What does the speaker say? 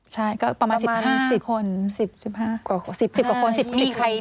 ใช่ก็ประมาณ๑๐คน๑๐กว่าคน